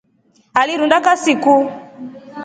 Alirunda kasi ku?